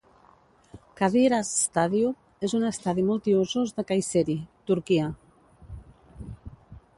Kadir Has Stadium és un estadi multiusos de Kayseri (Turquia).